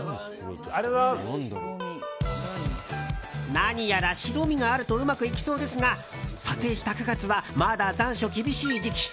何やら白身があるとうまくいきそうですが撮影した９月はまだ残暑厳しい時期。